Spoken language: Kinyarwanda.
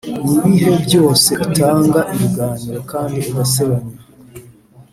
nibihe byose utanga ibiganiro kandi ugasebanya,